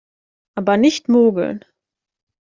Aber nicht mogeln